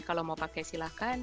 kalau mau pakai silakan